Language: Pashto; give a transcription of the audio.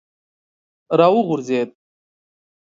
را وغورځېد.